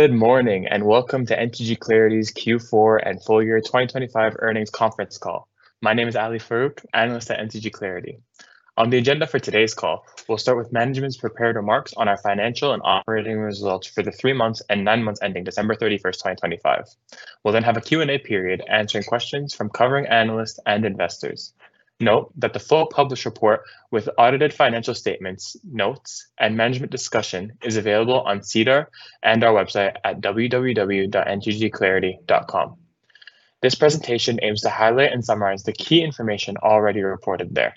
Good morning, and welcome to NTG Clarity's Q4 and full year 2025 earnings conference call. My name is Ali Farouk, analyst at NTG Clarity. On the agenda for today's call, we'll start with management's prepared remarks on our financial and operating results for the three months and nine months ending December 31st, 2025. We'll then have a Q&A period answering questions from covering analysts and investors. Note that the full published report with audited financial statements, notes, and management discussion is available on SEDAR and our website at www.ntgclarity.com. This presentation aims to highlight and summarize the key information already reported there.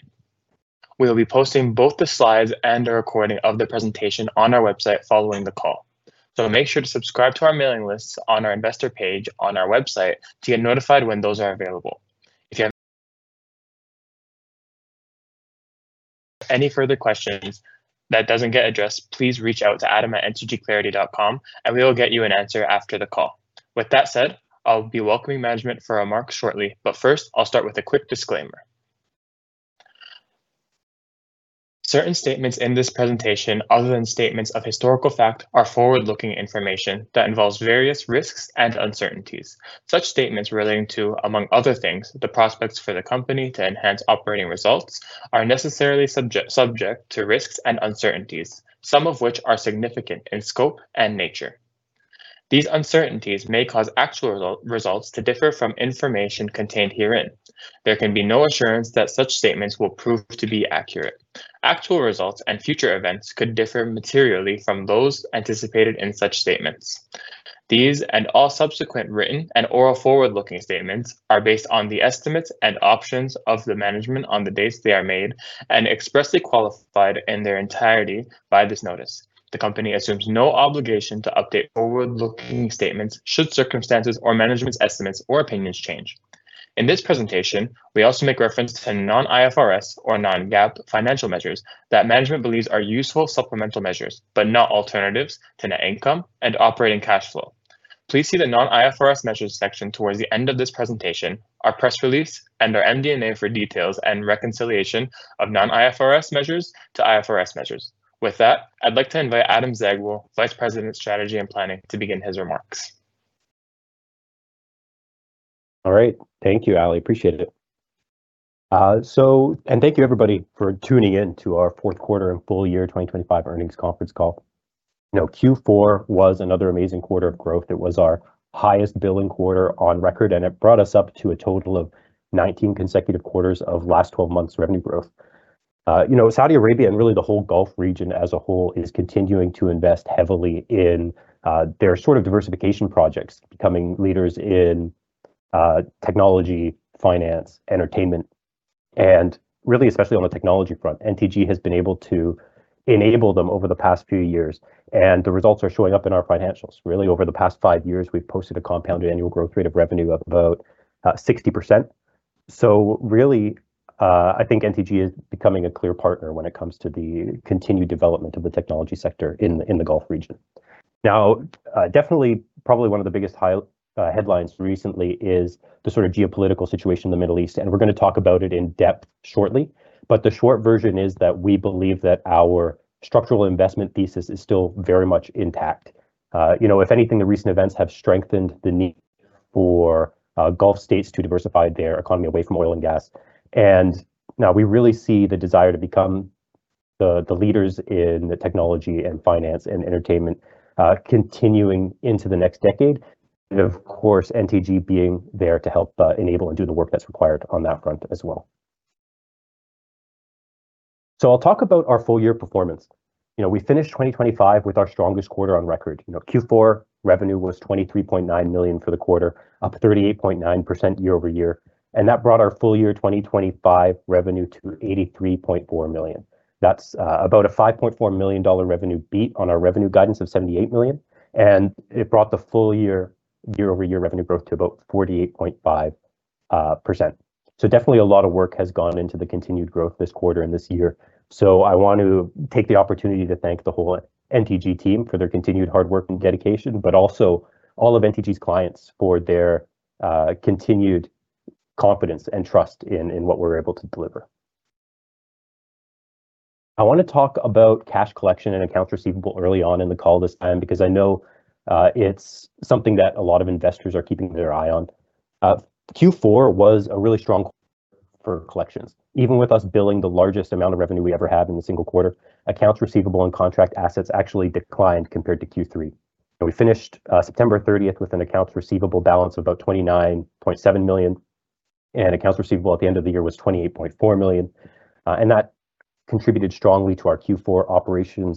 We'll be posting both the slides and a recording of the presentation on our website following the call. Make sure to subscribe to our mailing lists on our investor page on our website to get notified when those are available. If you have any further questions that doesn't get addressed, please reach out to Adam at ntgclarity.com, and we will get you an answer after the call. With that said, I'll be welcoming management for remarks shortly, but first I'll start with a quick disclaimer. Certain statements in this presentation other than statements of historical fact are forward-looking information that involves various risks and uncertainties. Such statements relating to, among other things, the prospects for the company to enhance operating results are necessarily subject risks and uncertainties, some of which are significant in scope and nature. These uncertainties may cause actual results to differ from information contained herein. There can be no assurance that such statements will prove to be accurate. Actual results and future events could differ materially from those anticipated in such statements. These, and all subsequent written and oral forward-looking statements, are based on the estimates and opinions of the management on the dates they are made and expressly qualified in their entirety by this notice. The company assumes no obligation to update forward-looking statements should circumstances or management's estimates or opinions change. In this presentation, we also make reference to non-IFRS or non-GAAP financial measures that management believes are useful supplemental measures but not alternatives to net income and operating cash flow. Please see the non-IFRS measures section towards the end of this presentation, our press release, and our MD&A for details and reconciliation of non-IFRS measures to IFRS measures. With that, I'd like to invite Adam Zaghloul, Vice President of Strategy and Planning, to begin his remarks. All right. Thank you, Ali, appreciate it. Thank you, everybody, for tuning in to our fourth quarter and full year 2025 earnings conference call. You know, Q4 was another amazing quarter of growth. It was our highest billing quarter on record, and it brought us up to a total of 19 consecutive quarters of last 12 months revenue growth. You know, Saudi Arabia, and really the whole Gulf region as a whole, is continuing to invest heavily in their sort of diversification projects, becoming leaders in technology, finance, entertainment. Really, especially on the technology front, NTG has been able to enable them over the past few years, and the results are showing up in our financials. Really, over the past five years, we've posted a compounded annual growth rate of revenue of about 60%. Really, I think NTG is becoming a clear partner when it comes to the continued development of the technology sector in the Gulf region. Now, definitely, probably one of the biggest headlines recently is the sort of geopolitical situation in the Middle East, and we're gonna talk about it in depth shortly. The short version is that we believe that our structural investment thesis is still very much intact. You know, if anything, the recent events have strengthened the need for Gulf states to diversify their economy away from oil and gas. Now we really see the desire to become the leaders in the technology and finance and entertainment, continuing into the next decade, and of course, NTG being there to help enable and do the work that's required on that front as well. I'll talk about our full year performance. You know, we finished 2025 with our strongest quarter on record. You know, Q4 revenue was $23.9 million for the quarter, up 38.9% year-over-year. That brought our full year 2025 revenue to $83.4 million. That's about a $5.4 million revenue beat on our revenue guidance of $78 million, and it brought the full year year-over-year revenue growth to about 48.5%. Definitely a lot of work has gone into the continued growth this quarter and this year. I want to take the opportunity to thank the whole NTG team for their continued hard work and dedication, but also all of NTG's clients for their continued confidence and trust in what we're able to deliver. I wanna talk about cash collection and accounts receivable early on in the call this time because I know, it's something that a lot of investors are keeping their eye on. Q4 was a really strong quarter for collections. Even with us billing the largest amount of revenue we ever have in a single quarter, accounts receivable and contract assets actually declined compared to Q3. We finished September 30th with an accounts receivable balance of about $29.7 million, and accounts receivable at the end of the year was $28.4 million. That contributed strongly to our Q4 operational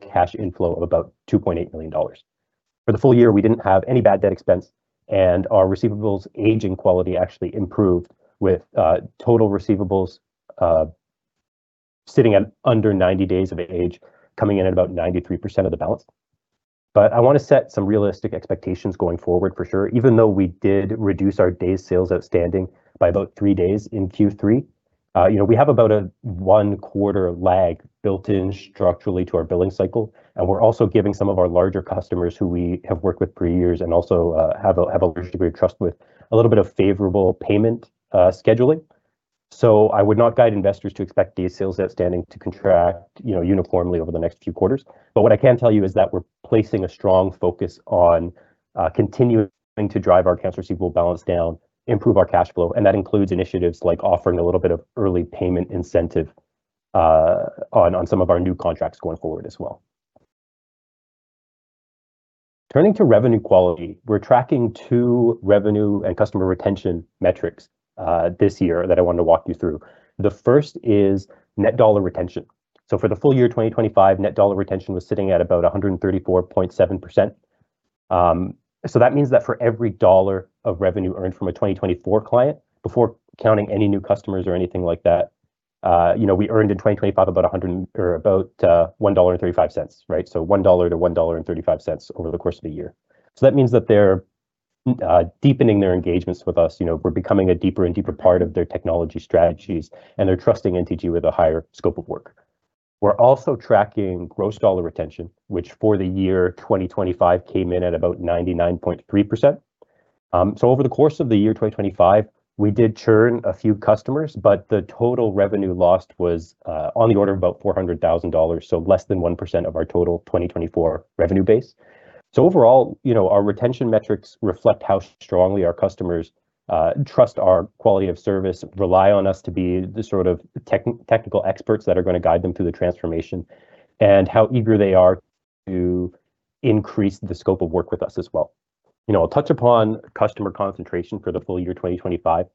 cash inflow of about $2.8 million. For the full year, we didn't have any bad debt expense, and our receivables aging quality actually improved with total receivables sitting at under 90 days of age, coming in at about 93% of the balance. I wanna set some realistic expectations going forward for sure. Even though we did reduce our days sales outstanding by about three days in Q3, you know, we have about a one-quarter lag built in structurally to our billing cycle, and we're also giving some of our larger customers who we have worked with for years and also have a large degree of trust with a little bit of favorable payment scheduling. I would not guide investors to expect these sales outstanding to contract, you know, uniformly over the next few quarters. What I can tell you is that we're placing a strong focus on continuing to drive our accounts receivable balance down, improve our cash flow, and that includes initiatives like offering a little bit of early payment incentive on some of our new contracts going forward as well. Turning to revenue quality, we're tracking two revenue and customer retention metrics this year that I wanted to walk you through. The first is net dollar retention. For the full year 2025, net dollar retention was sitting at about 134.7%. That means that for every dollar of revenue earned from a 2024 client, before counting any new customers or anything like that, you know, we earned in 2025 about $1.35, right? $1-$1.35 over the course of a year. That means that they're deepening their engagements with us. You know, we're becoming a deeper and deeper part of their technology strategies, and they're trusting NTG with a higher scope of work. We're also tracking gross dollar retention, which for the year 2025 came in at about 99.3%. Over the course of the year 2025, we did churn a few customers, but the total revenue lost was on the order of about $400,000, less than 1% of our total 2024 revenue base. Overall, you know, our retention metrics reflect how strongly our customers trust our quality of service, rely on us to be the sort of technical experts that are gonna guide them through the transformation, and how eager they are to increase the scope of work with us as well. You know, I'll touch upon customer concentration for the full year 2025.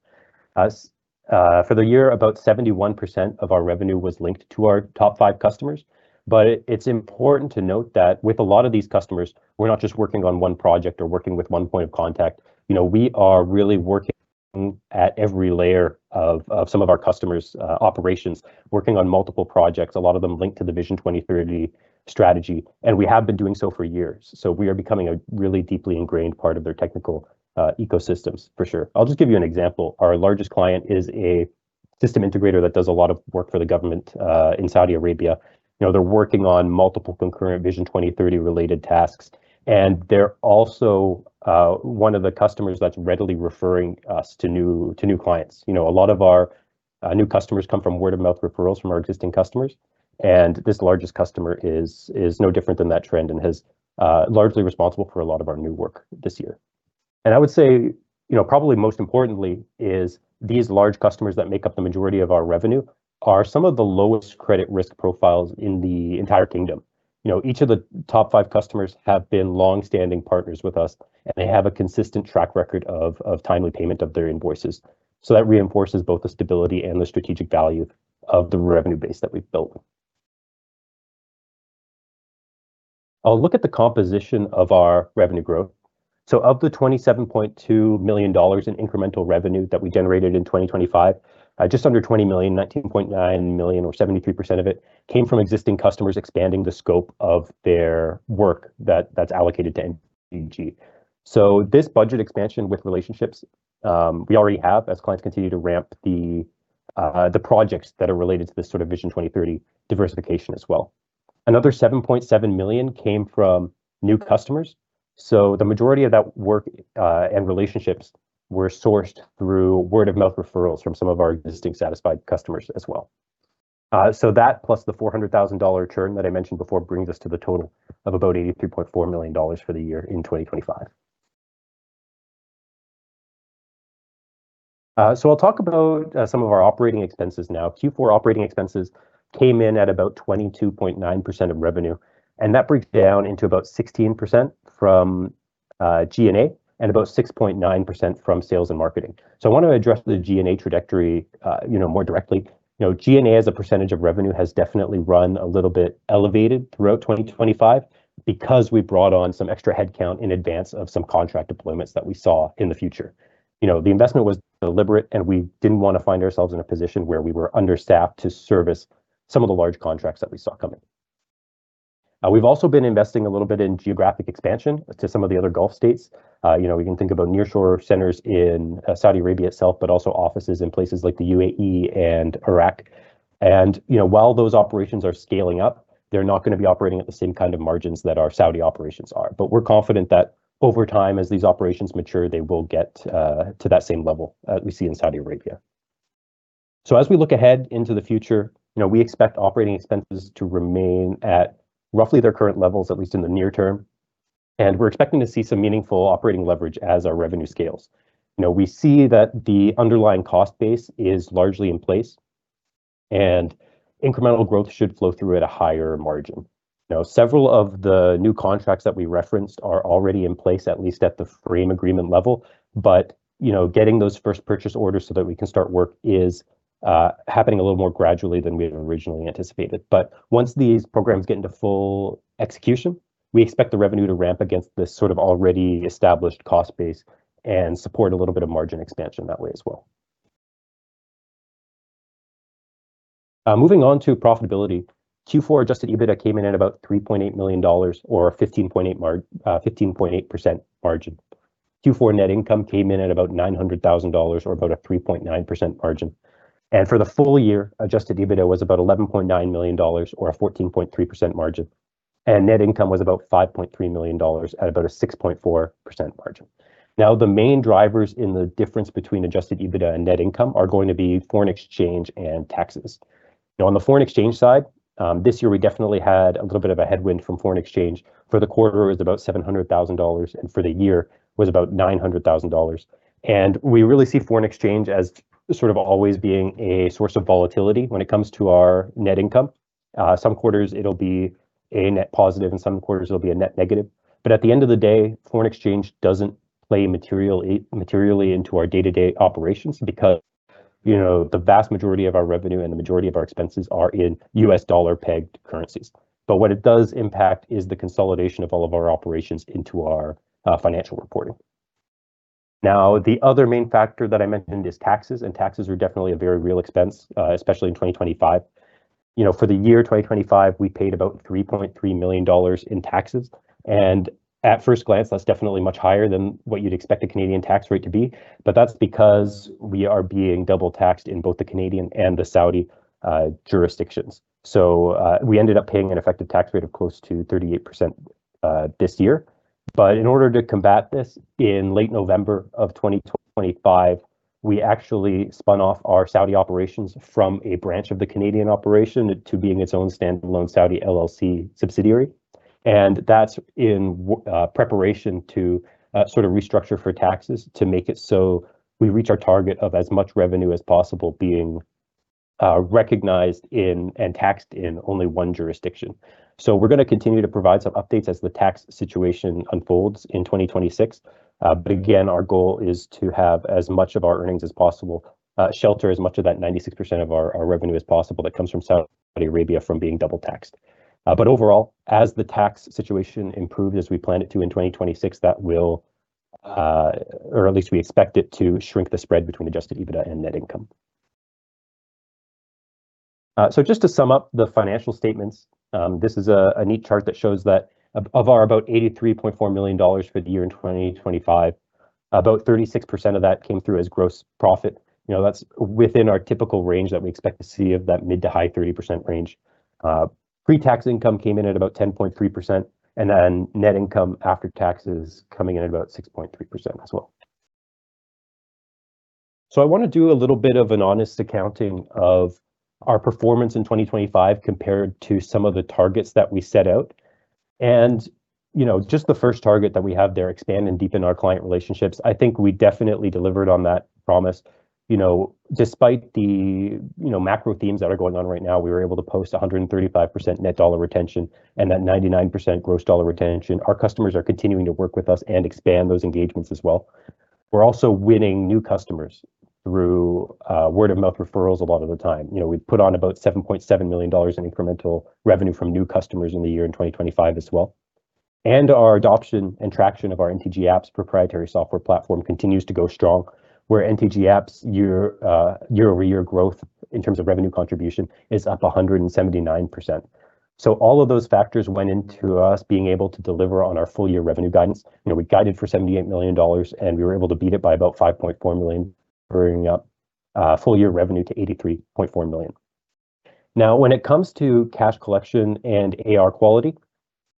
For the year, about 71% of our revenue was linked to our top five customers. It's important to note that with a lot of these customers, we're not just working on one project or working with one point of contact. You know, we are really working at every layer of some of our customers' operations, working on multiple projects. A lot of them linked to the Vision 2030 strategy, we have been doing so for years. We are becoming a really deeply ingrained part of their technical ecosystems for sure. I'll just give you an example. Our largest client is a system integrator that does a lot of work for the government in Saudi Arabia. You know, they're working on multiple concurrent Vision 2030 related tasks, and they're also one of the customers that's readily referring us to new clients. You know, a lot of our new customers come from word-of-mouth referrals from our existing customers, and this largest customer is no different than that trend and largely responsible for a lot of our new work this year. I would say, you know, probably most importantly is these large customers that make up the majority of our revenue are some of the lowest credit risk profiles in the entire kingdom. You know, each of the top five customers have been long-standing partners with us, and they have a consistent track record of timely payment of their invoices. That reinforces both the stability and the strategic value of the revenue base that we've built. I'll look at the composition of our revenue growth. Of the $27.2 million in incremental revenue that we generated in 2025, just under $20 million, $19.9 million or 73% of it came from existing customers expanding the scope of their work that's allocated to NTG. This budget expansion with relationships we already have as clients continue to ramp the projects that are related to this sort of Vision 2030 diversification as well. Another $7.7 million came from new customers. The majority of that work and relationships were sourced through word-of-mouth referrals from some of our existing satisfied customers as well. That plus the $400,000 churn that I mentioned before brings us to the total of about $83.4 million for the year in 2025. I'll talk about some of our operating expenses now. Q4 operating expenses came in at about 22.9% of revenue, and that breaks down into about 16% from G&A and about 6.9% from sales and marketing. I want to address the G&A trajectory, you know, more directly. You know, G&A as a percentage of revenue has definitely run a little bit elevated throughout 2025 because we brought on some extra headcount in advance of some contract deployments that we saw in the future. You know, the investment was deliberate, and we didn't wanna find ourselves in a position where we were understaffed to service some of the large contracts that we saw coming. We've also been investing a little bit in geographic expansion to some of the other Gulf states. You know, we can think about nearshore centers in Saudi Arabia itself, but also offices in places like the UAE and Iraq. You know, while those operations are scaling up, they're not gonna be operating at the same kind of margins that our Saudi operations are. We're confident that over time, as these operations mature, they will get to that same level that we see in Saudi Arabia. As we look ahead into the future, you know, we expect operating expenses to remain at roughly their current levels, at least in the near term, and we're expecting to see some meaningful operating leverage as our revenue scales. You know, we see that the underlying cost base is largely in place, and incremental growth should flow through at a higher margin. You know, several of the new contracts that we referenced are already in place, at least at the frame agreement level. You know, getting those first purchase orders so that we can start work is happening a little more gradually than we had originally anticipated. Once these programs get into full execution, we expect the revenue to ramp against this sort of already established cost base and support a little bit of margin expansion that way as well. Moving on to profitability. Q4 adjusted EBITDA came in at about $3.8 million or a 15.8% margin. Q4 net income came in at about $900,000 or about a 3.9% margin. For the full year, adjusted EBITDA was about $11.9 million or a 14.3% margin. Net income was about $5.3 million at about a 6.4% margin. The main drivers in the difference between adjusted EBITDA and net income are going to be foreign exchange and taxes. On the foreign exchange side, this year we definitely had a little bit of a headwind from foreign exchange. For the quarter, it was about $700,000. For the year was about $900,000. We really see foreign exchange as always being a source of volatility when it comes to our net income. Some quarters it'll be a net positive, and some quarters it'll be a net negative. At the end of the day, foreign exchange doesn't play materially into our day-to-day operations because, you know, the vast majority of our revenue and the majority of our expenses are in US dollar-pegged currencies. What it does impact is the consolidation of all of our operations into our financial reporting. The other main factor that I mentioned is taxes, and taxes are definitely a very real expense, especially in 2025. You know, for the year 2025, we paid about $3.3 million in taxes. At first glance, that's definitely much higher than what you'd expect a Canadian tax rate to be. That's because we are being double taxed in both the Canadian and the Saudi jurisdictions. We ended up paying an effective tax rate of close to 38% this year. In order to combat this, in late November 2025, we actually spun off our Saudi operations from a branch of the Canadian operation to being its own standalone Saudi LLC subsidiary. That's in preparation to sort of restructure for taxes to make it so we reach our target of as much revenue as possible being recognized in and taxed in only one jurisdiction. We're going to continue to provide some updates as the tax situation unfolds in 2026. But again, our goal is to have as much of our earnings as possible, shelter as much of that 96% of our revenue as possible that comes from Saudi Arabia from being double taxed. But overall, as the tax situation improves as we plan it to in 2026, that will, or at least we expect it to shrink the spread between adjusted EBITDA and net income. So just to sum up the financial statements, this is a neat chart that shows that of our about $83.4 million for the year in 2025, about 36% of that came through as gross profit. You know, that's within our typical range that we expect to see of that mid-to-high 30% range. Pre-tax income came in at about 10.3%, net income after taxes coming in at about 6.3% as well. I wanna do a little bit of an honest accounting of our performance in 2025 compared to some of the targets that we set out. You know, just the first target that we have there, expand and deepen our client relationships, I think we definitely delivered on that promise. You know, despite the, you know, macro themes that are going on right now, we were able to post 135% net dollar retention and that 99% gross dollar retention. Our customers are continuing to work with us and expand those engagements as well. We're also winning new customers through word-of-mouth referrals a lot of the time. You know, we put on about $7.7 million in incremental revenue from new customers in the year in 2025 as well. Our adoption and traction of our NTGapps proprietary software platform continues to go strong, where NTGapps year-over-year growth in terms of revenue contribution is up 179%. All of those factors went into us being able to deliver on our full-year revenue guidance. You know, we guided for $78 million, and we were able to beat it by about $5.4 million, bringing up full-year revenue to $83.4 million. When it comes to cash collection and AR quality,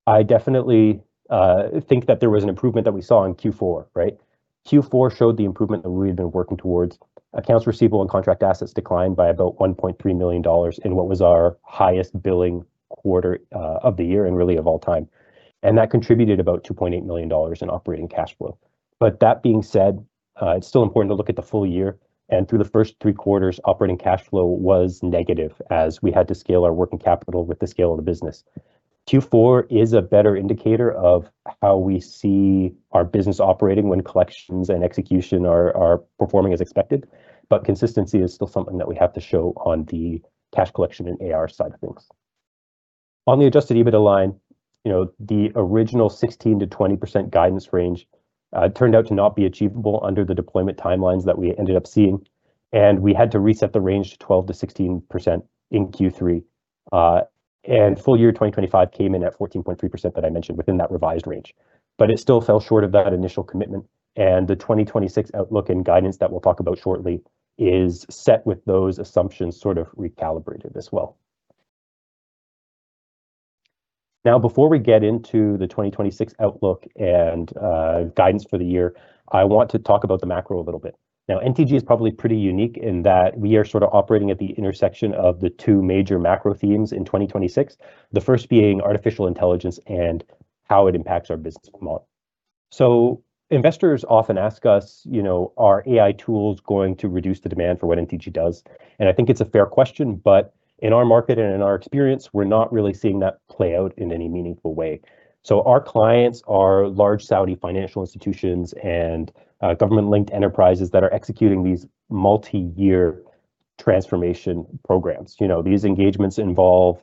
I definitely think that there was an improvement that we saw in Q4, right? Q4 showed the improvement that we had been working towards. Accounts receivable and contract assets declined by about $1.3 million in what was our highest billing quarter of the year and really of all time. That contributed about $2.8 million in operating cash flow. That being said, it's still important to look at the full year. Through the first three quarters, operating cash flow was negative as we had to scale our working capital with the scale of the business. Q4 is a better indicator of how we see our business operating when collections and execution are performing as expected, but consistency is still something that we have to show on the cash collection and AR side of things. On the adjusted EBITDA line, you know, the original 16%-20% guidance range turned out to not be achievable under the deployment timelines that we ended up seeing, and we had to reset the range to 12%-16% in Q3. Full year 2025 came in at 14.3% that I mentioned within that revised range. It still fell short of that initial commitment, and the 2026 outlook and guidance that we'll talk about shortly is set with those assumptions sort of recalibrated as well. Now, before we get into the 2026 outlook and guidance for the year, I want to talk about the macro a little bit. NTG is probably pretty unique in that we are sort of operating at the intersection of the two major macro themes in 2026, the first being artificial intelligence and how it impacts our business model. Investors often ask us, you know, are AI tools going to reduce the demand for what NTG does? I think it's a fair question, but in our market and in our experience, we're not really seeing that play out in any meaningful way. Our clients are large Saudi financial institutions and government-linked enterprises that are executing these multi-year transformation programs. You know, these engagements involve,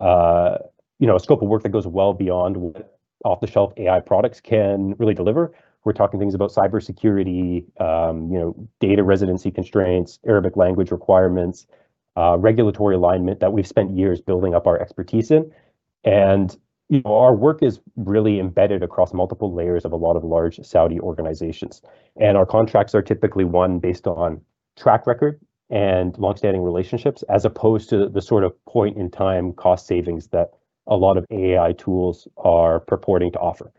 you know, a scope of work that goes well beyond what off-the-shelf AI products can really deliver. We're talking things about cybersecurity, you know, data residency constraints, Arabic language requirements, regulatory alignment that we've spent years building up our expertise in. You know, our work is really embedded across multiple layers of a lot of large Saudi organizations. Our contracts are typically won based on track record and long-standing relationships as opposed to the sort of point-in-time cost savings that a lot of AI tools are purporting to offer.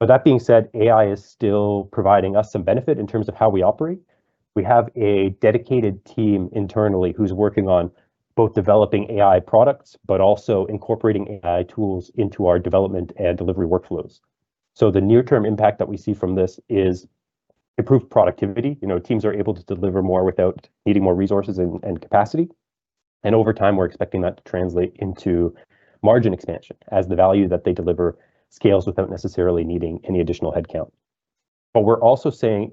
That being said, AI is still providing us some benefit in terms of how we operate. We have a dedicated team internally who's working on both developing AI products but also incorporating AI tools into our development and delivery workflows. The near-term impact that we see from this is improved productivity. You know, teams are able to deliver more without needing more resources and capacity. Over time, we're expecting that to translate into margin expansion as the value that they deliver scales without necessarily needing any additional headcount. We're also seeing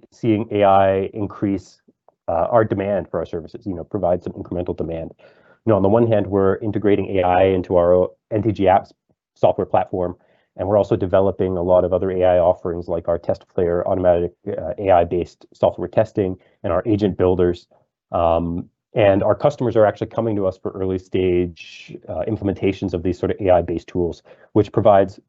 AI increase our demand for our services, you know, provide some incremental demand. You know, on the one hand, we're integrating AI into our NTGapps software platform, we're also developing a lot of other AI offerings like our TestPlayer automatic, AI-based software testing and our agent builders. Our customers are actually coming to us for early stage, implementations of these sort of AI-based tools, which provides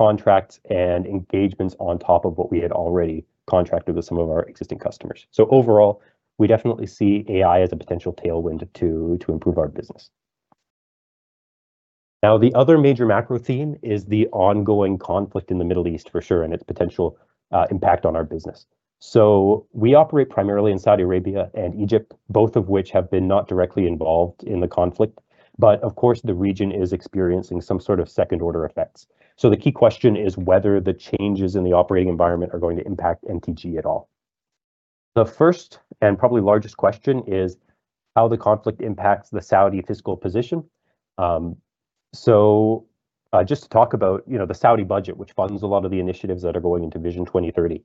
contracts and engagements on top of what we had already contracted with some of our existing customers. Overall, we definitely see AI as a potential tailwind to improve our business. The other major macro theme is the ongoing conflict in the Middle East for sure, its potential impact on our business. We operate primarily in Saudi Arabia and Egypt, both of which have been not directly involved in the conflict. Of course, the region is experiencing some sort of second-order effects. The key question is whether the changes in the operating environment are going to impact NTG at all. The first and probably largest question is how the conflict impacts the Saudi fiscal position. Just to talk about, you know, the Saudi budget, which funds a lot of the initiatives that are going into Vision 2030.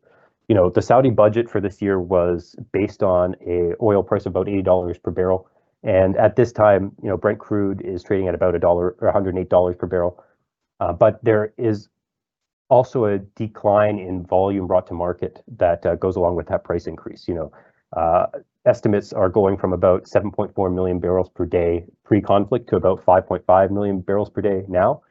You know, the Saudi budget for this year was based on a oil price of about $80 per barrel. At this time, you know, Brent Crude is trading at about $108 per barrel. There is also a decline in volume brought to market that goes along with that price increase. You know, estimates are going from about 7.4MMbpd pre-conflict to about 5.5MMbpd day now.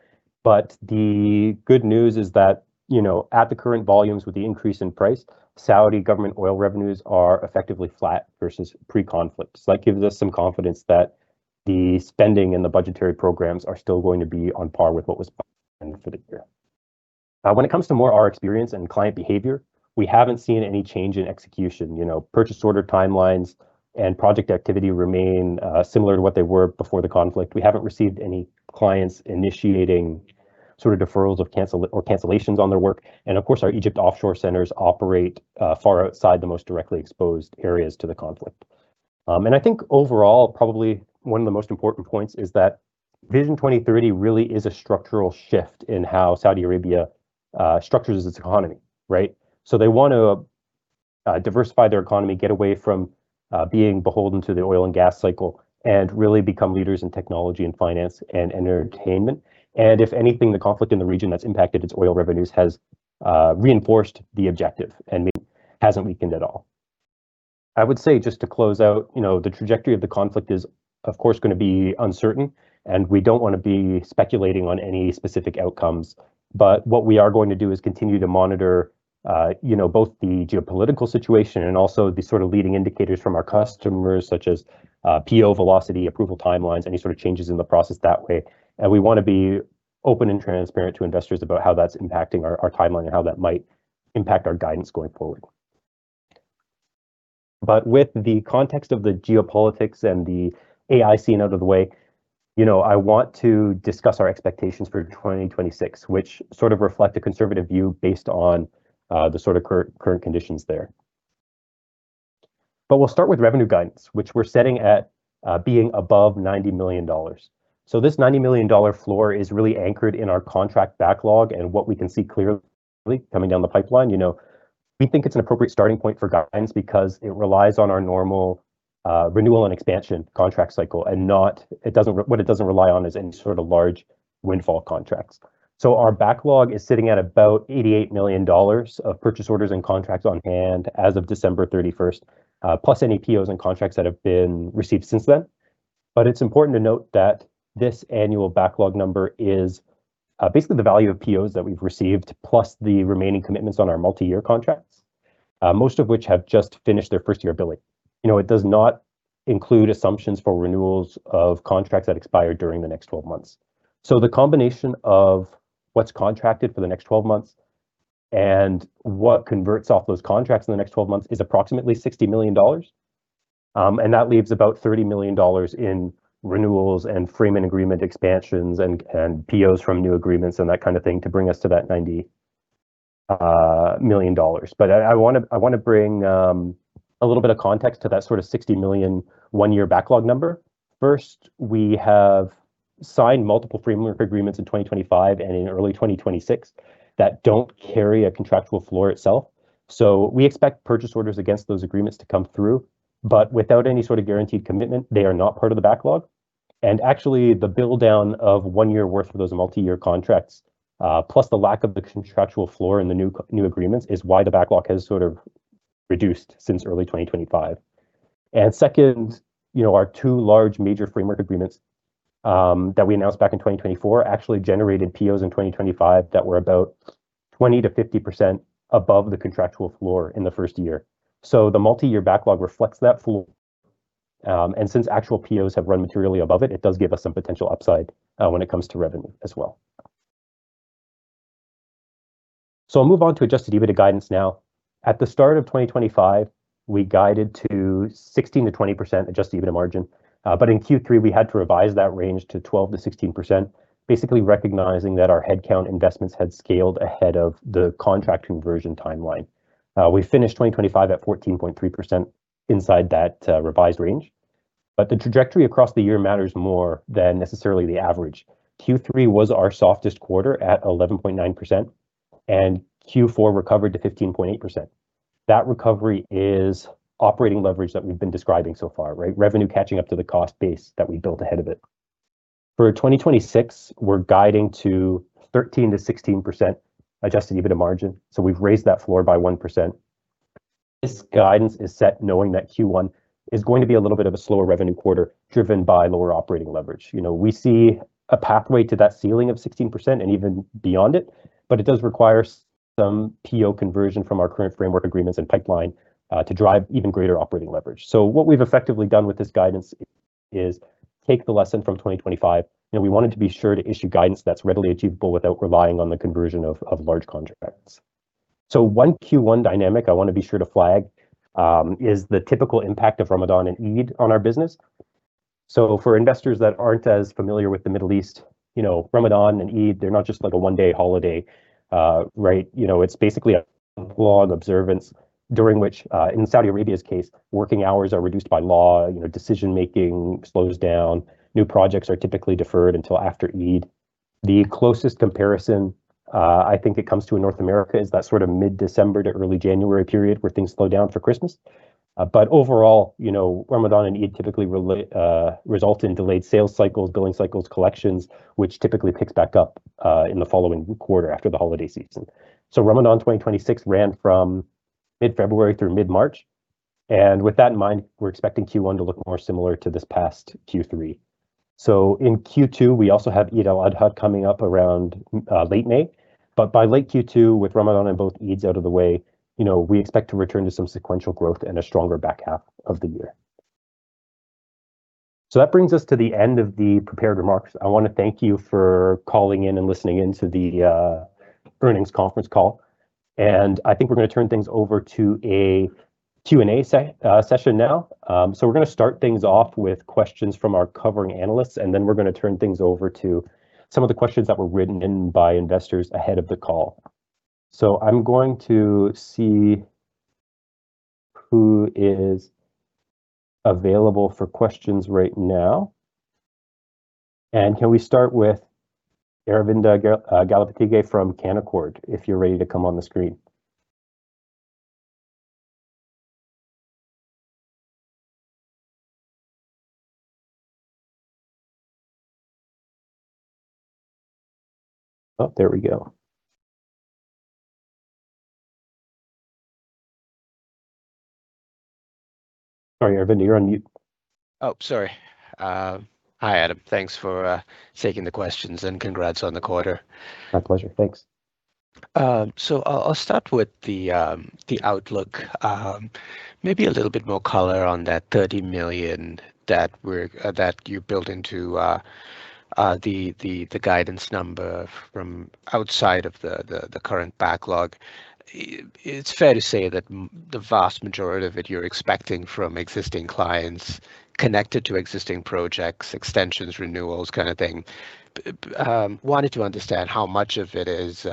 The good news is that, you know, at the current volumes with the increase in price, Saudi Government oil revenues are effectively flat versus pre-conflict. That gives us some confidence that the spending and the budgetary programs are still going to be on par with what was budgeted for the year. When it comes to more our experience and client behavior, we haven't seen any change in execution. You know, Purchase Order timelines and project activity remain similar to what they were before the conflict. We haven't received any clients initiating sort of deferrals or cancellations on their work. Of course, our Egypt offshore centers operate far outside the most directly exposed areas to the conflict. I think overall, probably one of the most important points is that Vision 2030 really is a structural shift in how Saudi Arabia structures its economy, right? They want to diversify their economy, get away from being beholden to the oil and gas cycle, and really become leaders in technology and finance and entertainment. If anything, the conflict in the region that's impacted its oil revenues has reinforced the objective and hasn't weakened at all. I would say just to close out, you know, the trajectory of the conflict is of course going to be uncertain, and we don't want to be speculating on any specific outcomes. What we are going to do is continue to monitor, you know, both the geopolitical situation and also the sort of leading indicators from our customers, such as PO velocity, approval timelines, any sort of changes in the process that way. We wanna be open and transparent to investors about how that's impacting our timeline and how that might impact our guidance going forward. With the context of the geopolitics and the AI scene out of the way, you know, I want to discuss our expectations for 2026, which sort of reflect a conservative view based on the sort of current conditions there. We'll start with revenue guidance, which we're setting at being above $90 million. This $90 million floor is really anchored in our contract backlog and what we can see clearly coming down the pipeline. You know, we think it's an appropriate starting point for guidance because it relies on our normal renewal and expansion contract cycle and what it doesn't rely on is any sort of large windfall contracts. Our backlog is sitting at about $88 million of purchase orders and contracts on hand as of December thirty-first, plus any POs and contracts that have been received since then. It's important to note that this annual backlog number is basically the value of POs that we've received, plus the remaining commitments on our multi-year contracts, most of which have just finished their first-year billing. You know, it does not include assumptions for renewals of contracts that expire during the next 12 months. The combination of what's contracted for the next 12 months and what converts off those contracts in the next 12 months is approximately $60 million. That leaves about $30 million in renewals and framework agreement expansions and POs from new agreements and that kind of thing to bring us to that $90 million. I wanna bring a little bit of context to that sort of $60 million one-year backlog number. First, we have signed multiple framework agreements in 2025 and in early 2026 that don't carry a contractual floor itself. We expect purchase orders against those agreements to come through, but without any sort of guaranteed commitment, they are not part of the backlog. Actually, the bill down of one year worth of those multi-year contracts, plus the lack of the contractual floor in the new agreements is why the backlog has sort of reduced since early 2025. Second, you know, our two large major framework agreements that we announced back in 2024 actually generated POs in 2025 that were about 20%-50% above the contractual floor in the first year. The multi-year backlog reflects that floor. Since actual POs have run materially above it does give us some potential upside when it comes to revenue as well. I'll move on to adjusted EBITDA guidance now. At the start of 2025, we guided to 16%-20% adjusted EBITDA margin. In Q3 we had to revise that range to 12%-16%, basically recognizing that our headcount investments had scaled ahead of the contract conversion timeline. We finished 2025 at 14.3% inside that revised range. The trajectory across the year matters more than necessarily the average. Q3 was our softest quarter at 11.9%, and Q4 recovered to 15.8%. That recovery is operating leverage that we've been describing so far, right? Revenue catching up to the cost base that we built ahead of it. For 2026, we're guiding to 13%-16% adjusted EBITDA margin, we've raised that floor by 1%. This guidance is set knowing that Q1 is going to be a little bit of a slower revenue quarter, driven by lower operating leverage. You know, we see a pathway to that ceiling of 16% and even beyond it, but it does require some PO conversion from our current framework agreements and pipeline to drive even greater operating leverage. What we've effectively done with this guidance is take the lesson from 2025, and we wanted to be sure to issue guidance that's readily achievable without relying on the conversion of large contracts. One Q1 dynamic I wanna be sure to flag is the typical impact of Ramadan and Eid on our business. For investors that aren't as familiar with the Middle East, you know, Ramadan and Eid, they're not just like a one-day holiday, right? You know, it's basically a long observance during which, in Saudi Arabia's case, working hours are reduced by law. You know, decision-making slows down. New projects are typically deferred until after Eid. The closest comparison, I think, that comes to in North America is that sort of mid-December to early January period where things slow down for Christmas. Overall, you know, Ramadan and Eid typically result in delayed sales cycles, billing cycles, collections, which typically picks back up in the following quarter after the holiday season. Ramadan 2026 ran from mid-February through mid-March, and with that in mind, we're expecting Q1 to look more similar to this past Q3. In Q2 we also have Eid al-Adha coming up around late May, but by late Q2, with Ramadan and both Eids out of the way, you know, we expect to return to some sequential growth and a stronger back half of the year. That brings us to the end of the prepared remarks. I wanna thank you for calling in and listening in to the earnings conference call. I think we're gonna turn things over to a Q&A session now. We're gonna start things off with questions from our covering analysts, and then we're gonna turn things over to some of the questions that were written in by investors ahead of the call. I'm going to see who is available for questions right now. Can we start with Aravinda Galappatthige from Canaccord, if you're ready to come on the screen. Oh, there we go. Sorry, Aravinda, you're on mute. Oh, sorry. Hi, Adam? Thanks for taking the questions and congrats on the quarter. My pleasure. Thanks. I'll start with the outlook. Maybe a little bit more color on that $30 million that you built into the guidance number from outside of the current backlog. It's fair to say that the vast majority of it you're expecting from existing clients connected to existing projects, extensions, renewals, kind of thing. Wanted to understand how much of it is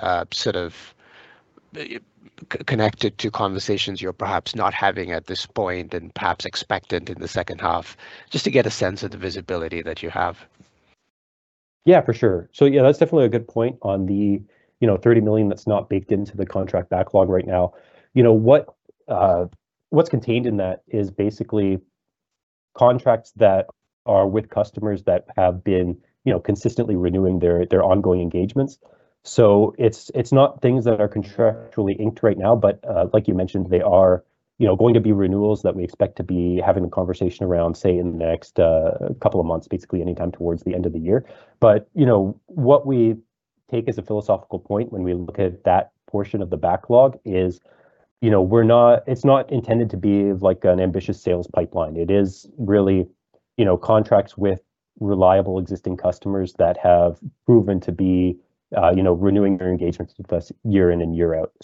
connected to conversations you're perhaps not having at this point and perhaps expected in the second half, just to get a sense of the visibility that you have. Yeah, for sure. Yeah, that's definitely a good point on the, you know, $30 million that's not baked into the contract backlog right now. You know, what's contained in that is basically contracts that are with customers that have been, you know, consistently renewing their ongoing engagements. It's not things that are contractually inked right now, but, like you mentioned, they are, you know, going to be renewals that we expect to be having a conversation around, say, in the next couple of months, basically anytime towards the end of the year. You know, what we take as a philosophical point when we look at that portion of the backlog is, you know, it's not intended to be like an ambitious sales pipeline. It is really, you know, contracts with reliable existing customers that have proven to be, you know, renewing their engagements with us year in and year out.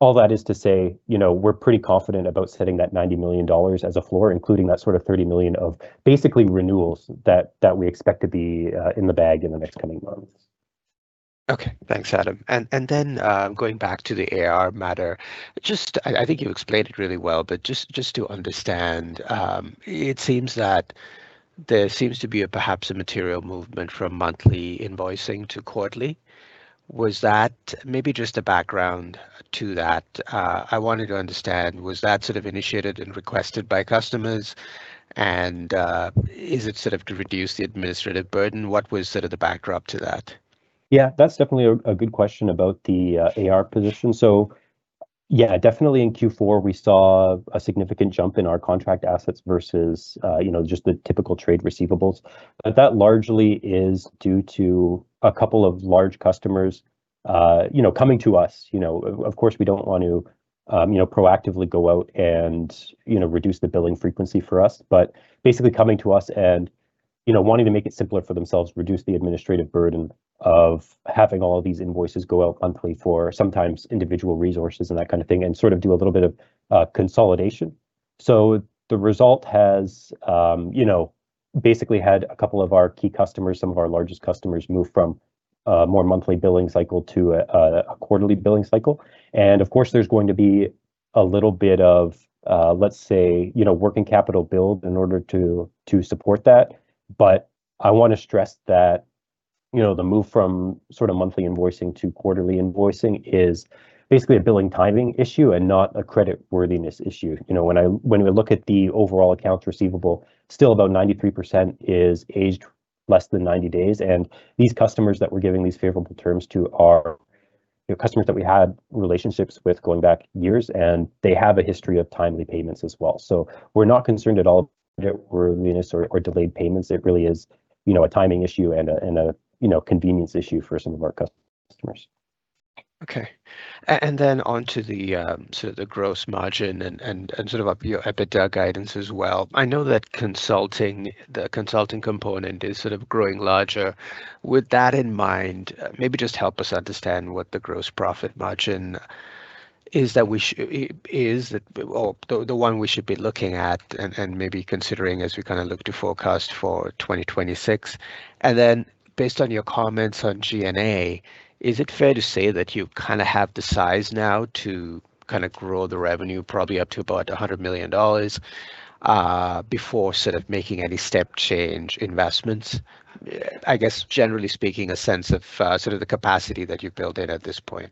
All that is to say, you know, we're pretty confident about setting that $90 million as a floor, including that sort of $30 million of basically renewals that we expect to be in the bag in the next coming months. Okay. Thanks, Adam. Going back to the AR matter. I think you explained it really well, but to understand, it seems that there seems to be a perhaps a material movement from monthly invoicing to quarterly. Maybe just a background to that, I wanted to understand, was that sort of initiated and requested by customers? Is it sort of to reduce the administrative burden? What was sort of the backdrop to that? Yeah, that's definitely a good question about the AR position. Yeah, definitely in Q4 we saw a significant jump in our contract assets versus, you know, just the typical trade receivables. That largely is due to a couple of large customers, you know, coming to us. You know, of course, we don't want to, you know, proactively go out and, you know, reduce the billing frequency for us. Basically coming to us and, you know, wanting to make it simpler for themselves, reduce the administrative burden of having all of these invoices go out monthly for sometimes individual resources and that kind of thing, and sort of do a little bit of consolidation. The result has, you know, basically had a couple of our key customers, some of our largest customers, move from a more monthly billing cycle to a quarterly billing cycle. Of course, there's going to be a little bit of, let's say, you know, working capital build in order to support that. I wanna stress that, you know, the move from sort of monthly invoicing to quarterly invoicing is basically a billing timing issue and not a creditworthiness issue. You know, when we look at the overall accounts receivable, still about 93% is aged less than 90 days. These customers that we're giving these favorable terms to are, you know, customers that we had relationships with going back years, and they have a history of timely payments as well. We're not concerned at all creditworthiness or delayed payments. It really is, you know, a timing issue and a, you know, convenience issue for some of our customers. Okay. Then onto the gross margin and sort of up your EBITDA guidance as well. I know that consulting, the consulting component is sort of growing larger. With that in mind, maybe just help us understand what the gross profit margin is that we should be looking at and maybe considering as we kinda look to forecast for 2026. Then based on your comments on G&A, is it fair to say that you kinda have the size now to kinda grow the revenue probably up to about $100 million before sort of making any step change investments? I guess generally speaking, a sense of sort of the capacity that you've built in at this point.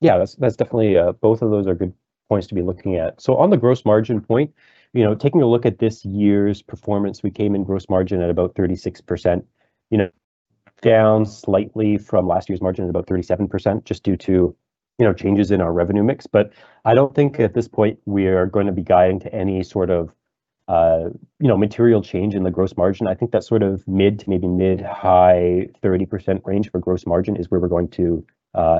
Yeah, that's definitely both of those are good points to be looking at. On the gross margin point, you know, taking a look at this year's performance, we came in gross margin at about 36%, you know, down slightly from last year's margin at about 37% just due to, you know, changes in our revenue mix. I don't think at this point we are gonna be guiding to any sort of, you know, material change in the gross margin. I think that sort of mid to maybe mid-high 30% range for gross margin is where we're going to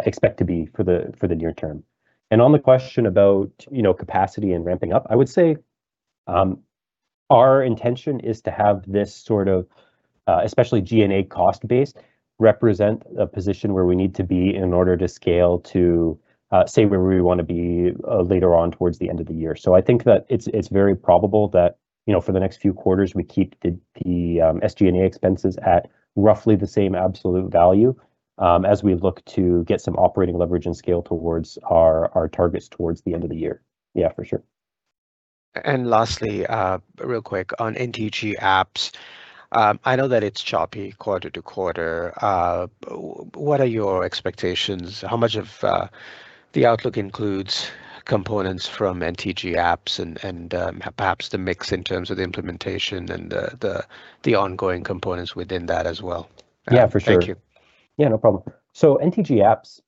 expect to be for the near term. On the question about, you know, capacity and ramping up, I would say, our intention is to have this sort of, especially G&A cost base represent a position where we need to be in order to scale to, say where we wanna be, later on towards the end of the year. I think that it's very probable that, you know, for the next few quarters we keep the SG&A expenses at roughly the same absolute value, as we look to get some operating leverage and scale towards our targets towards the end of the year. Yeah, for sure. Lastly, real quick on NTG Apps. I know that it's choppy quarter to quarter. What are your expectations? How much of the outlook includes components from NTG Apps and perhaps the mix in terms of the implementation and the ongoing components within that as well? Yeah, for sure. Thank you. Yeah, no problem. NTG Apps,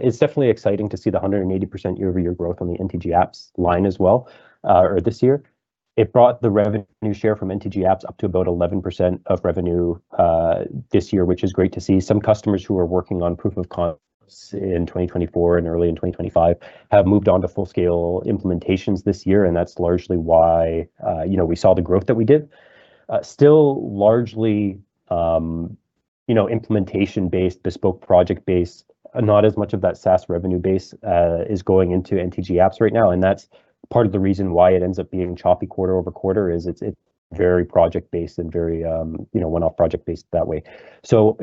it's definitely exciting to see the 180% year-over-year growth on the NTG Apps line as well, or this year. It brought the revenue share from NTG Apps up to about 11% of revenue this year, which is great to see. Some customers who are working on proof of concept in 2024 and early in 2025 have moved on to full scale implementations this year, and that's largely why, you know, we saw the growth that we did. Still largely, you know, implementation-based, bespoke project-based. Not as much of that SaaS revenue base is going into NTG Apps right now, and that's part of the reason why it ends up being choppy quarter-over-quarter is it's very project-based and very, you know, one-off project based that way.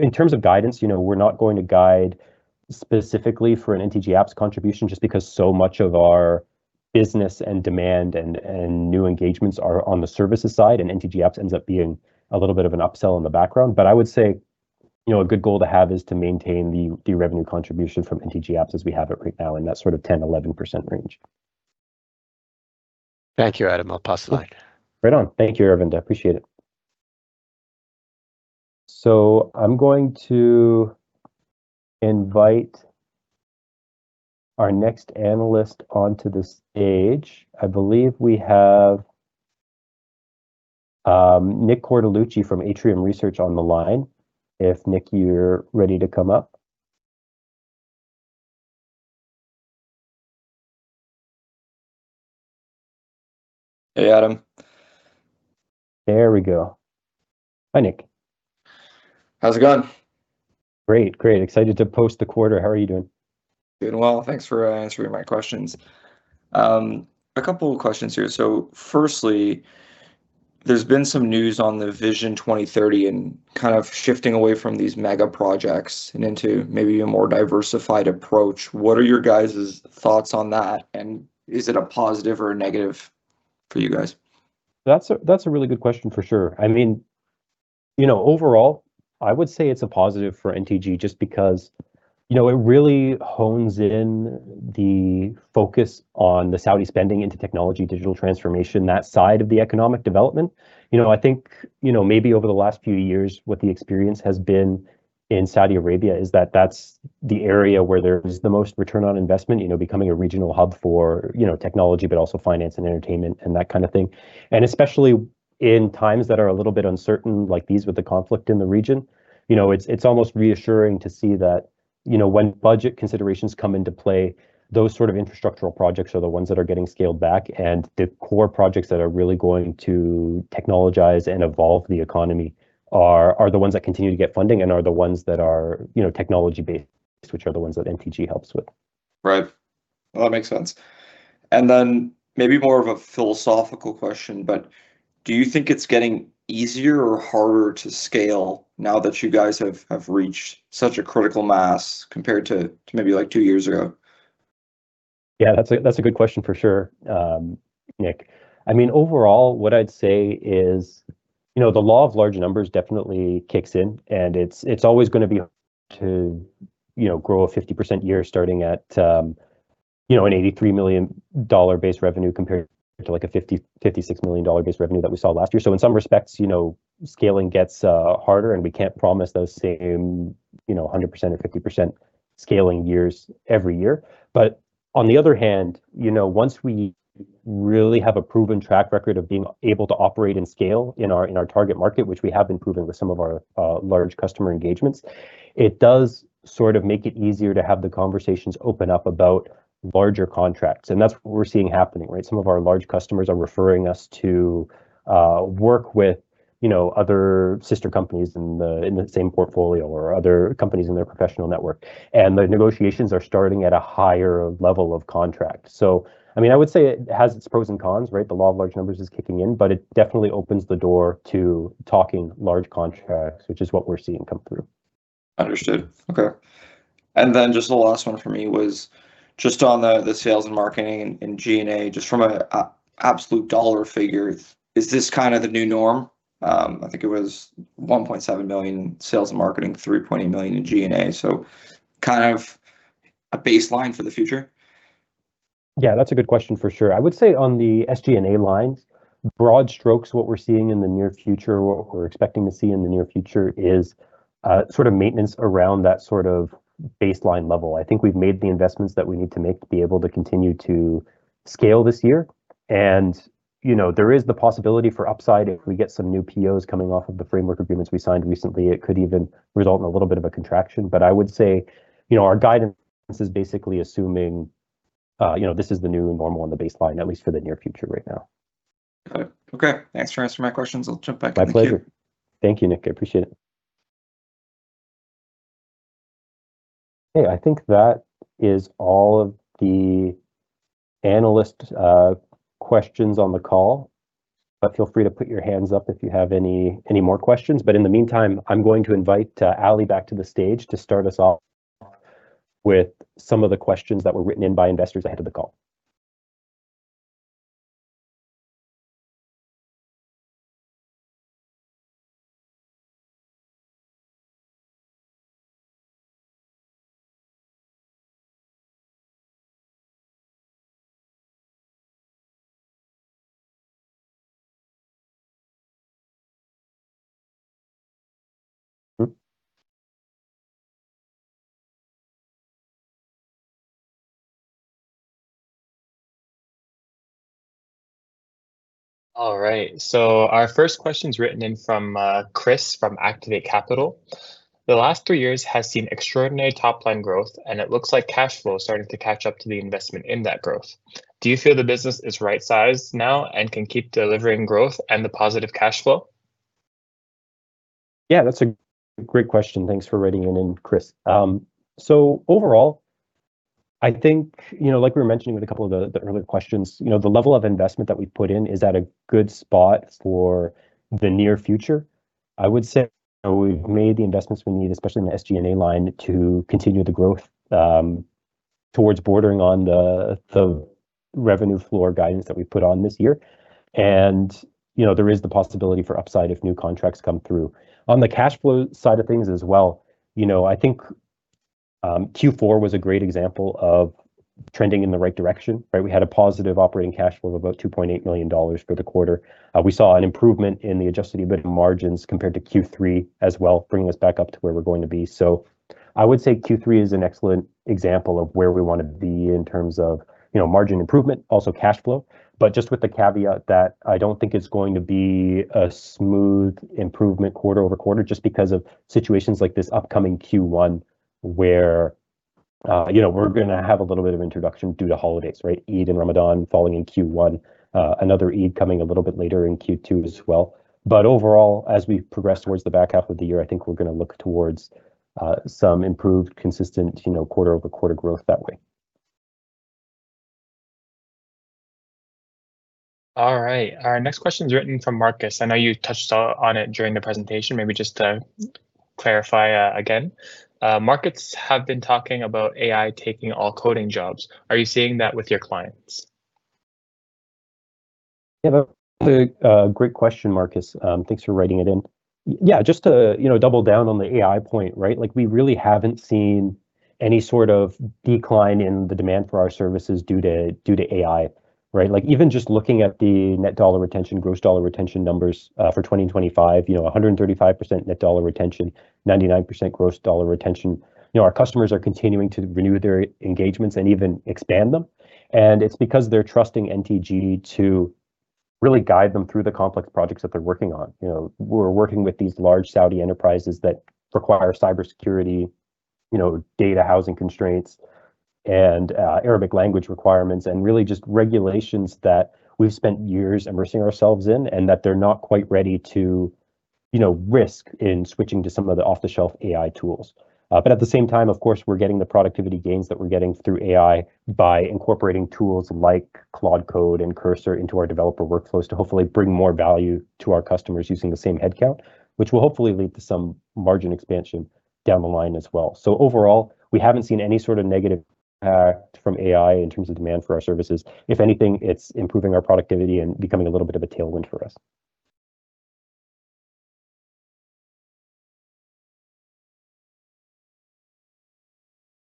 In terms of guidance, you know, we're not going to guide specifically for an NTGapps contribution just because so much of our business and demand and new engagements are on the services side, and NTGapps ends up being a little bit of an upsell in the background. I would say, you know, a good goal to have is to maintain the revenue contribution from NTGapps as we have it right now in that sort of 10%-11% range. Thank you, Adam. I'll pass it back. Right on. Thank you, Aravinda. I appreciate it. I'm going to invite our next analyst onto the stage. I believe we have Nicholas Cortellucci from Atrium Research on the line. If Nick, you're ready to come up. Hey, Adam? There we go. Hi, Nick? How's it going? Great. Great. Excited to post the quarter. How are you doing? Doing well. Thanks for answering my questions. A couple of questions here. Firstly, there's been some news on the Vision 2030 and kind of shifting away from these mega projects and into maybe a more diversified approach. What are your guys' thoughts on that, and is it a positive or a negative for you guys? That's a, that's a really good question for sure. I mean, you know, overall, I would say it's a positive for NTG just because, you know, it really hones in the focus on the Saudi spending into technology, digital transformation, that side of the economic development. You know, I think, you know, maybe over the last few years what the experience has been in Saudi Arabia is that that's the area where there's the most return on investment, you know, becoming a regional hub for, you know, technology, but also finance and entertainment and that kind of thing. Especially in times that are a little bit uncertain like these with the conflict in the region. You know, it's almost reassuring to see that, you know, when budget considerations come into play, those sort of infrastructural projects are the ones that are getting scaled back, the core projects that are really going to technologize and evolve the economy are the ones that continue to get funding and are the ones that are, you know, technology-based, which are the ones that NTG helps with. Right. Well, that makes sense. Maybe more of a philosophical question, but do you think it's getting easier or harder to scale now that you guys have reached such a critical mass compared to maybe like two years ago? That's a, that's a good question for sure, Nick. I mean, overall, what I'd say is, you know, the law of large numbers definitely kicks in, and it's always gonna be hard to, you know, grow a 50% year starting at, you know, an $83 million base revenue compared to like a $50 million-$56 million base revenue that we saw last year. In some respects, you know, scaling gets harder, and we can't promise those same, you know, 100% or 50% scaling years every year. On the other hand, you know, once we really have a proven track record of being able to operate and scale in our, in our target market, which we have been proving with some of our large customer engagements, it does sort of make it easier to have the conversations open up about larger contracts, and that's what we're seeing happening, right? Some of our large customers are referring us to work with, you know, other sister companies in the, in the same portfolio or other companies in their professional network, and the negotiations are starting at a higher level of contract. I mean, I would say it has its pros and cons, right? The law of large numbers is kicking in, but it definitely opens the door to talking large contracts, which is what we're seeing come through. Understood. Okay. Just the last one for me was just on the sales and marketing and G&A, just from an absolute dollar figure, is this kind of the new norm? I think it was $1.7 million sales and marketing, $3.8 million in G&A, so kind of a baseline for the future? Yeah, that's a good question for sure. I would say on the SG&A lines, broad strokes, what we're seeing in the near future, what we're expecting to see in the near future is, sort of maintenance around that sort of baseline level. I think we've made the investments that we need to make to be able to continue to scale this year, and, you know, there is the possibility for upside if we get some new POs coming off of the framework agreements we signed recently. It could even result in a little bit of a contraction. I would say, you know, our guidance is basically assuming, you know, this is the new normal and the baseline, at least for the near future right now. Got it. Okay. Thanks for answering my questions. I'll jump back in the queue. My pleasure. Thank you, Nick. I appreciate it. I think that is all of the analyst questions on the call, feel free to put your hands up if you have any more questions. In the meantime, I'm going to invite Ali back to the stage to start us off with some of the questions that were written in by investors ahead of the call. All right, our first question's written in from Chris from Activate Capital. The last three years has seen extraordinary top-line growth, it looks like cash flow is starting to catch up to the investment in that growth. Do you feel the business is right-sized now and can keep delivering growth and the positive cash flow? Yeah, that's a great question. Thanks for writing it in, Chris. Overall, I think, you know, like we were mentioning with a couple of the earlier questions, you know, the level of investment that we've put in is at a good spot for the near future. I would say we've made the investments we need, especially in the SG&A line, to continue the growth, towards bordering on the revenue floor guidance that we put on this year. You know, there is the possibility for upside if new contracts come through. On the cash flow side of things as well, you know, I think, Q4 was a great example of trending in the right direction, right? We had a positive operating cash flow of about $2.8 million for the quarter. We saw an improvement in the adjusted EBITDA margins compared to Q3 as well, bringing us back up to where we're going to be. I would say Q3 is an excellent example of where we wanna be in terms of, you know, margin improvement, also cash flow. Just with the caveat that I don't think it's going to be a smooth improvement quarter-over-quarter just because of situations like this upcoming Q1 where, you know, we're gonna have a little bit of introduction due to holidays, right? Eid and Ramadan falling in Q1, another Eid coming a little bit later in Q2 as well. Overall, as we progress towards the back half of the year, I think we're gonna look towards some improved, consistent, you know, quarter-over-quarter growth that way. All right. Our next question's written from Marcus. I know you touched on it during the presentation. Maybe just to clarify again. Markets have been talking about AI taking all coding jobs. Are you seeing that with your clients? Yeah, that's a great question, Marcus. Thanks for writing it in. Yeah, just to, you know, double down on the AI point, right? We really haven't seen any sort of decline in the demand for our services due to AI, right? Even just looking at the net dollar retention, gross dollar retention numbers for 2025, you know, 135% net dollar retention, 99% gross dollar retention. You know, our customers are continuing to renew their engagements and even expand them, and it's because they're trusting NTG to really guide them through the complex projects that they're working on. You know, we're working with these large Saudi enterprises that require cybersecurity, you know, data housing constraints and Arabic language requirements, and really just regulations that we've spent years immersing ourselves in, and that they're not quite ready to, you know, risk in switching to some of the off-the-shelf AI tools. At the same time, of course, we're getting the productivity gains that we're getting through AI by incorporating tools like Claude Code and Cursor into our developer workflows to hopefully bring more value to our customers using the same headcount, which will hopefully lead to some margin expansion down the line as well. Overall, we haven't seen any sort of negative impact from AI in terms of demand for our services. If anything, it's improving our productivity and becoming a little bit of a tailwind for us.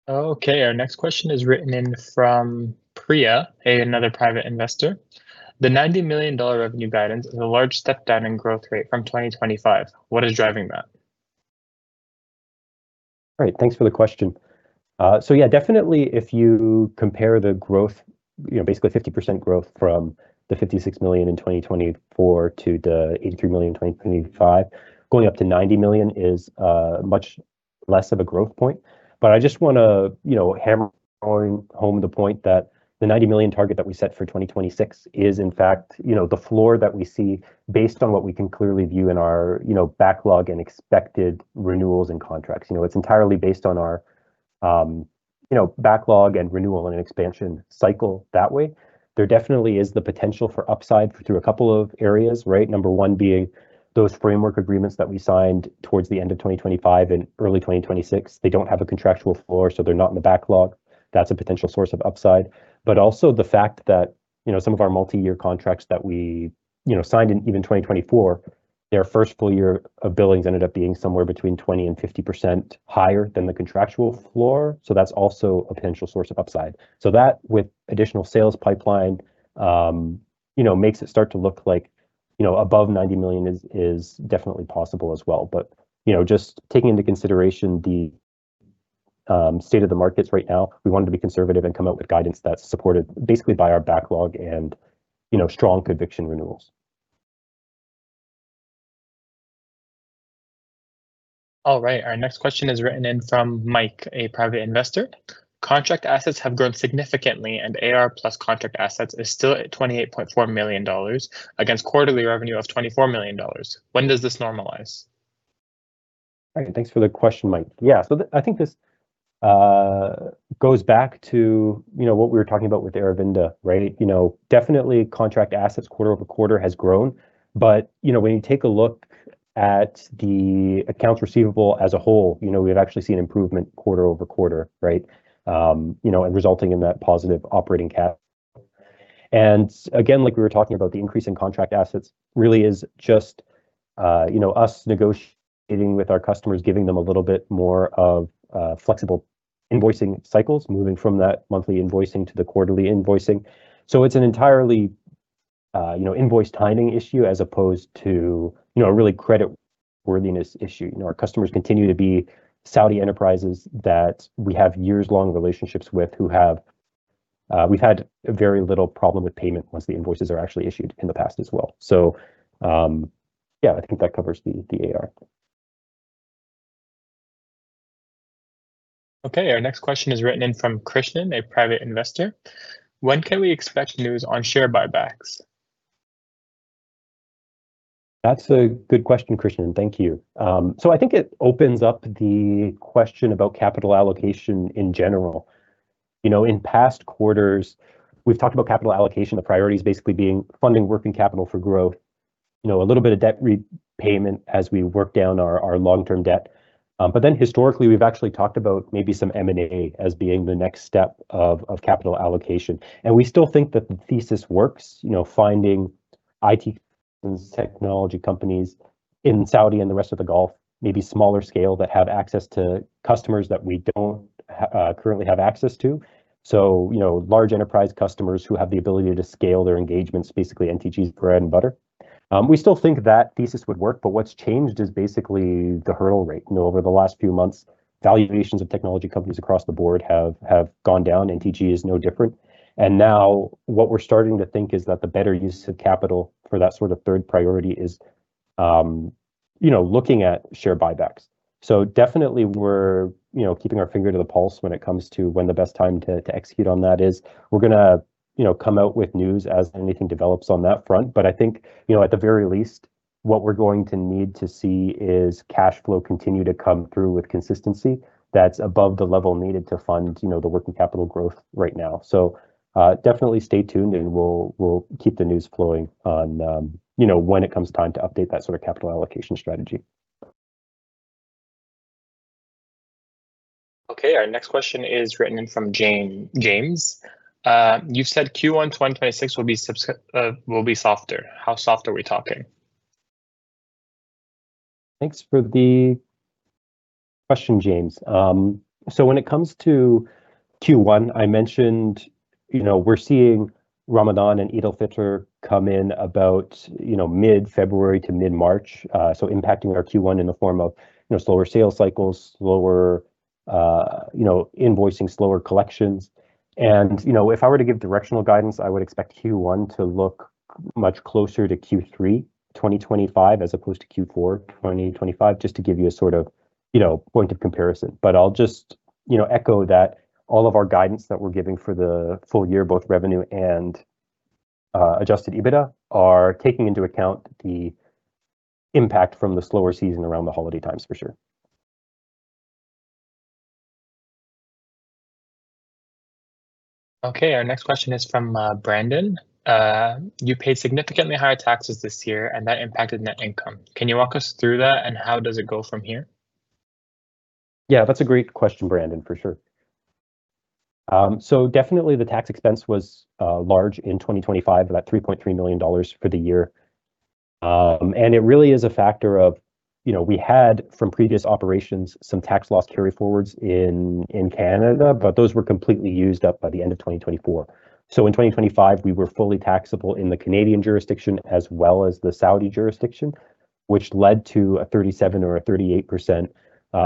Okay, our next question is written in from Priya, another Private Investor: The $90 million revenue guidance is a large step down in growth rate from 2025. What is driving that? Great. Thanks for the question. Yeah, definitely if you compare the growth, you know, basically 50% growth from the $56 million in 2024 to the $83 million in 2025, going up to $90 million is much less of a growth point. I just wanna, you know, hammer home the point that the $90 million target that we set for 2026 is in fact, you know, the floor that we see based on what we can clearly view in our, you know, backlog and expected renewals and contracts. You know, it's entirely based on our, you know, backlog and renewal and expansion cycle that way. There definitely is the potential for upside through a couple of areas, right? Number one being those framework agreements that we signed towards the end of 2025 and early 2026. They don't have a contractual floor, so they're not in the backlog. That's a potential source of upside. Also the fact that, you know, some of our multi-year contracts that we, you know, signed in even 2024, their first full year of billings ended up being somewhere between 20% and 50% higher than the contractual floor, so that's also a potential source of upside. That, with additional sales pipeline, you know, makes it start to look like, you know, above $90 million is definitely possible as well. You know, just taking into consideration the state of the markets right now, we wanted to be conservative and come out with guidance that's supported basically by our backlog and, you know, strong conviction renewals. All right, our next question is written in from Mike, a Private Investor: Contract assets have grown significantly, and AR plus contract assets is still at $28.4 million against quarterly revenue of $24 million. When does this normalize? Great. Thanks for the question, Mike. I think this goes back to, you know, what we were talking about with Aravinda, right? Definitely contract assets quarter-over-quarter has grown, you know, when you take a look at the accounts receivable as a whole, you know, we've actually seen improvement quarter-over-quarter, right? You know, resulting in that positive operating cap. Again, like we were talking about, the increase in contract assets really is just, you know, us negotiating with our customers, giving them a little bit more of flexible invoicing cycles, moving from that monthly invoicing to the quarterly invoicing. It's an entirely, you know, invoice timing issue as opposed to, you know, a really creditworthiness issue. You know, our customers continue to be Saudi enterprises that we have years-long relationships with who have, we've had very little problem with payment once the invoices are actually issued in the past as well. Yeah, I think that covers the AR. Okay, our next question is written in from Krishnan, a Private Investor: When can we expect news on share buybacks? That's a good question, Krishnan. Thank you. I think it opens up the question about capital allocation in general. You know, in past quarters, we've talked about capital allocation, the priorities basically being funding working capital for growth, you know, a little bit of debt repayment as we work down our long-term debt. Historically, we've actually talked about maybe some M&A as being the next step of capital allocation, we still think that the thesis works. You know, finding IT technology companies in Saudi and the rest of the Gulf, maybe smaller scale, that have access to customers that we don't currently have access to. You know, large enterprise customers who have the ability to scale their engagements, basically NTG's bread and butter. We still think that thesis would work, what's changed is basically the hurdle rate. You know, over the last few months, valuations of technology companies across the board have gone down. NTG is no different. Now what we're starting to think is that the better use of capital for that sort of third priority is, you know, looking at share buybacks. Definitely we're, you know, keeping our finger to the pulse when it comes to when the best time to execute on that is. We're gonna, you know, come out with news as anything develops on that front. I think, you know, at the very least, what we're going to need to see is cashflow continue to come through with consistency that's above the level needed to fund, you know, the working capital growth right now. Definitely stay tuned and we'll keep the news flowing on, you know, when it comes time to update that sort of capital allocation strategy. Okay, our next question is written in from James. You said Q1 2026 will be softer, how soft are we talking? Thanks for the question, James. When it comes to Q1, I mentioned, you know, we're seeing Ramadan and Eid al-Fitr come in about, you know, mid-February to mid-March, impacting our Q1 in the form of, you know, slower sales cycles, slower, invoicing, slower collections. You know, if I were to give directional guidance, I would expect Q1 to look much closer to Q3 2025 as opposed to Q4 2025, just to give you a sort of, you know, point of comparison. I'll just, you know, echo that all of our guidance that we're giving for the full year, both revenue and adjusted EBITDA, are taking into account the impact from the slower season around the holiday times for sure. Okay, our next question is from Brandon. You paid significantly higher taxes this year, and that impacted net income. Can you walk us through that, and how does it go from here? Yeah, that's a great question, Brandon, for sure. Definitely the tax expense was large in 2025, about $3.3 million for the year. It really is a factor of, you know, we had from previous operations some tax loss carryforwards in Canada, but those were completely used up by the end of 2024. In 2025, we were fully taxable in the Canadian jurisdiction as well as the Saudi jurisdiction, which led to a 37% or a 38%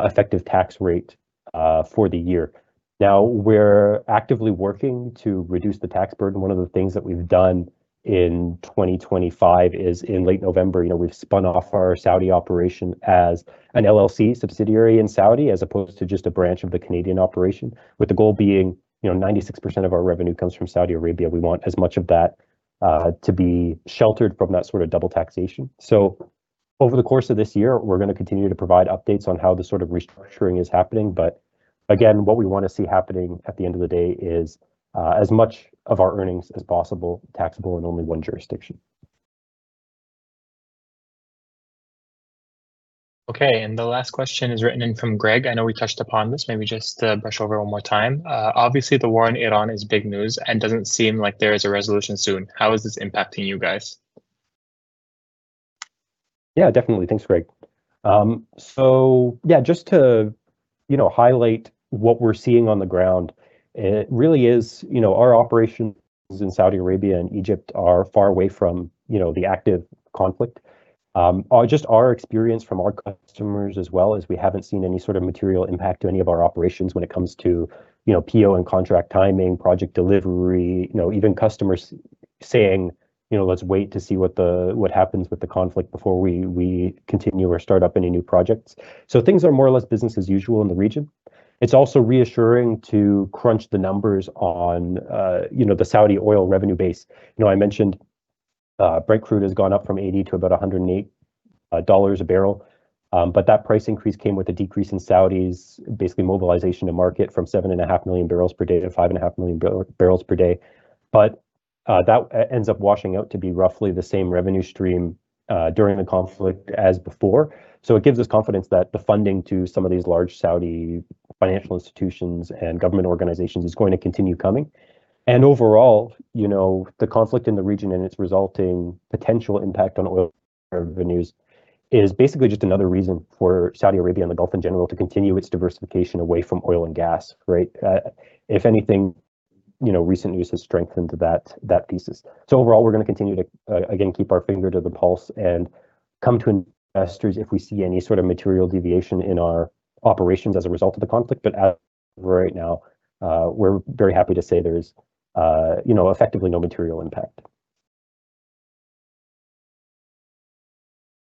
effective tax rate for the year. We're actively working to reduce the tax burden. One of the things that we've done in 2025 is in late November, you know, we've spun off our Saudi operation as an LLC subsidiary in Saudi as opposed to just a branch of the Canadian operation, with the goal being, you know, 96% of our revenue comes from Saudi Arabia. We want as much of that to be sheltered from that sort of double taxation. Over the course of this year, we're gonna continue to provide updates on how the sort of restructuring is happening. Again, what we wanna see happening at the end of the day is as much of our earnings as possible taxable in only one jurisdiction. Okay, the last question is written in from Greg. I know we touched upon this, maybe just brush over one more time. Obviously, the war in Iran is big news and doesn't seem like there is a resolution soon. How is this impacting you guys? Yeah, definitely. Thanks, Greg. Yeah, just to, you know, highlight what we're seeing on the ground, it really is, you know, our operations in Saudi Arabia and Egypt are far away from, you know, the active conflict. Just our experience from our customers as well is we haven't seen any sort of material impact to any of our operations when it comes to, you know, PO and contract timing, project delivery, you know, even customers saying, you know, Let's wait to see what happens with the conflict before we continue or start up any new projects. Things are more or less business as usual in the region. It's also reassuring to crunch the numbers on, you know, the Saudi oil revenue base. You know, I mentioned, Brent Crude has gone up from $80 to about $108 a barrel. That price increase came with a decrease in Saudi's basically mobilization to market from 7.7MMbpd to 5.5MMbpd. That ends up washing out to be roughly the same revenue stream during the conflict as before. It gives us confidence that the funding to some of these large Saudi financial institutions and government organizations is going to continue coming. Overall, you know, the conflict in the region and its resulting potential impact on oil revenues is basically just another reason for Saudi Arabia and the Gulf in general to continue its diversification away from oil and gas, right? If anything, you know, recent news has strengthened that thesis. Overall, we're gonna continue to again, keep our finger to the pulse and come to investors if we see any sort of material deviation in our operations as a result of the conflict. As of right now, we're very happy to say there is, you know, effectively no material impact.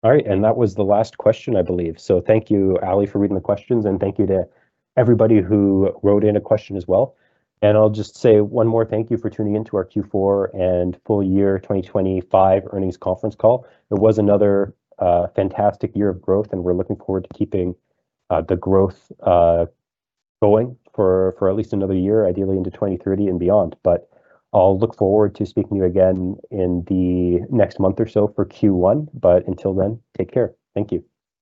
All right, that was the last question, I believe. Thank you, Ali, for reading the questions, thank you to everybody who wrote in a question as well. I'll just say one more thank you for tuning in to our Q4 and full year 2025 earnings conference call. It was another fantastic year of growth, and we're looking forward to keeping the growth going for at least another year, ideally into 2030 and beyond. I'll look forward to speaking to you again in the next month or so for Q1. Until then, take care. Thank you.